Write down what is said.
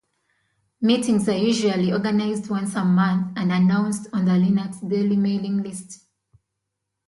Meetings are usually organized once a month and announced on the linux-delhi mailing-list.